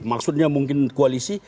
maksudnya mungkin koalisi